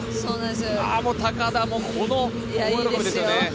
ああ、もう高田もこの大喜びですよね。